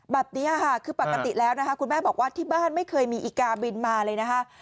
แบบนี้ค่ะคือปกติแล้วนะคะคุณแม่บอกว่าที่บ้านไม่เคยมีอีกาบินมาเลยนะคะ